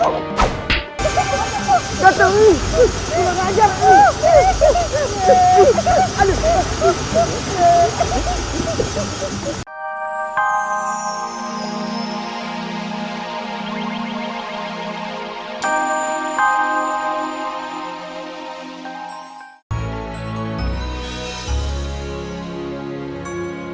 buat ngajak nih